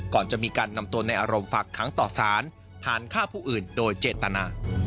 ก่อนจะมีการนำตัวในอารมณ์ฝากค้างต่อสารหารฆ่าผู้อื่นโดยเจตนา